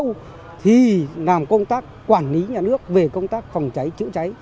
từ đó thì làm công tác quản lý nhà nước về công tác phòng cháy chữa cháy